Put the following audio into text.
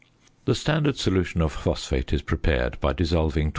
The standard solution of phosphate is prepared by dissolving 29.